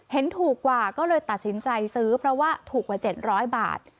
เห็นถูกกว่าก็เลยตัดสินใจซื้อเพราะว่าถูกกว่า๗๐๐บาท